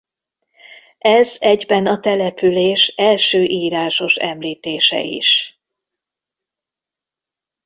Ez egyben a település első írásos említése is.